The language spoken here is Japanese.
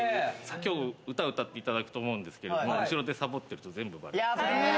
きょう、歌、歌っていただくと思うんですけど、後ろでさぼってると、全部ばれます。